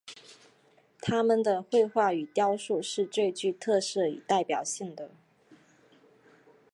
他们的绘画与雕塑是最具特色与代表性的。